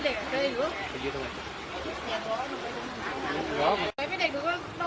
ติดไว้อีกติดที่กว่า